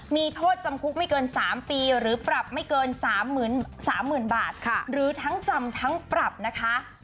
มีโทษจำคุกไม่เกิน๓ปีหรือปรับไม่เกิน๓๐๐๐บาทหรือทั้งจำทั้งปรับนะคะ